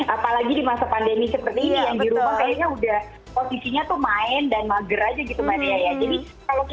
apalagi di masa pandemi seperti ini yang di rumah kayaknya udah posisinya tuh main